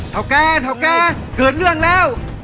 เถ้าแก่เถ้าแก่เกิดเรื่องแล้ว